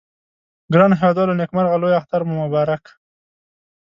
ګرانو هیوادوالو نیکمرغه لوي اختر مو مبارک